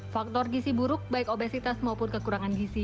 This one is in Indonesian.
faktor gisi buruk baik obesitas maupun kekurangan gizi